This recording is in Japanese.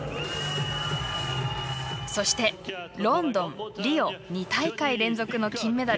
そして、ロンドン、リオ２大会連続の金メダル